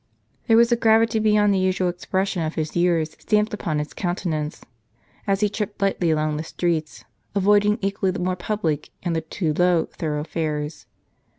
There was a gravity beyond the usual expression of his years stamped upon Ids countenance, as lie tripped lightly along the streets, avoiding equally the more public, and the too low, thoroughfares.